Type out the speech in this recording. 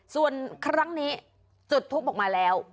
ส่วนครั้งนี้จุดทุกข์ออกมาแล้ว